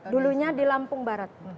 dulunya di lampung barat